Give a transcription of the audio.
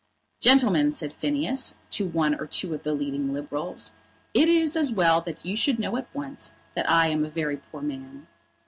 "Gentlemen," said Phineas, to one or two of the leading Liberals, "it is as well that you should know at once that I am a very poor man."